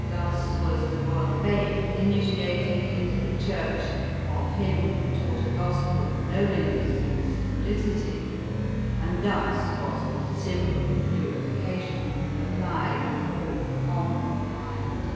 Thus was the royal babe initiated into the church of Him who taught a gospel of lowliness and simplicity ; and thus was the symbol of purification ap plied with all pomp of pride.